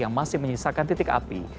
yang masih menyisakan titik api